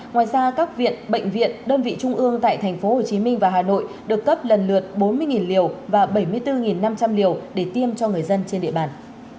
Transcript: ngoài ra các viện bệnh viện đơn vị trung ương tại tp hcm và hà nội được cấp lần lượt bốn mươi liều và bảy mươi bốn năm trăm linh liều để tiêm cho người dân trên địa bàn